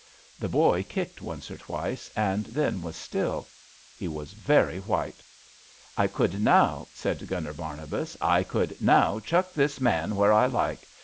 The boy kicked once or twice, and then was still. He 106 ABAFT THE FUNNEL was very white. I could now,'* said Gunner Barnabas, '* I could now chuck this man where I like.